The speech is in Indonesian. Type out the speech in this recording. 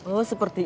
oh seperti ini